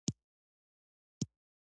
د شواب د مفکورې د تولید له امله ګټه وشوه